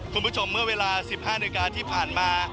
คุณผู้ชมเมื่อเวลา๑๕นาทีที่ผ่านมา